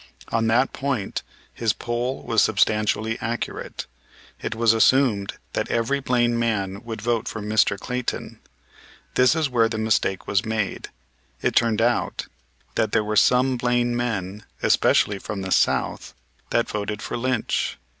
On that point his poll was substantially accurate. It was assumed that every Blaine man would vote for Mr. Clayton. This is where the mistake was made. It turned out that there were some Blaine men, especially from the South, that voted for Lynch.